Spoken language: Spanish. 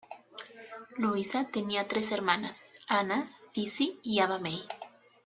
Louisa tenía tres hermanas, Anna, Lizzie y Abba May.